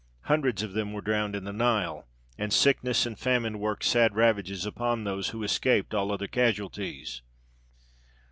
Hundreds of them were drowned in the Nile; and sickness and famine worked sad ravages upon those who escaped all other casualties.